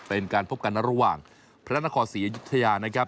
เป็นการพบกันระหว่างพระนครศรีอยุธยานะครับ